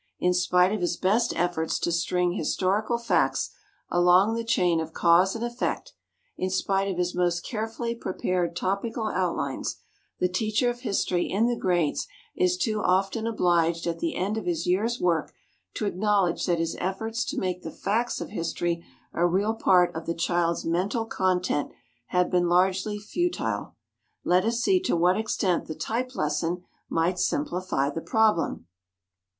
In spite of his best efforts to string historical facts along the chain of cause and effect, in spite of his most carefully prepared topical outlines, the teacher of history in the grades is too often obliged at the end of his year's work to acknowledge that his efforts to make the facts of history a real part of the child's mental content have been largely futile. Let us see to what extent the type lesson might simplify the problem.